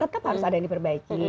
tetap harus ada yang diperbaiki